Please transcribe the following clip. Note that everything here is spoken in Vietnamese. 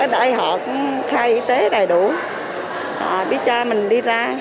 đại học khai y tế đầy đủ biết cho mình đi ra